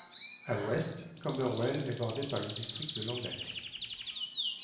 À l'ouest, Camberwell est bordé par le district de Lambeth.